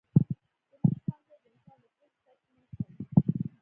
د لیک ښوونځي د انسان د پوهې سرچینه شول.